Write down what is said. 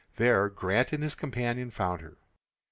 There Grant and his companion found her.